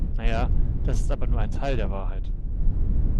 Na ja, das ist aber nur ein Teil der Wahrheit.